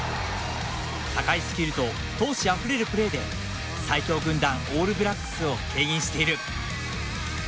高いスキルと闘志あふれるプレーで最強軍団オールブラックスをけん引している。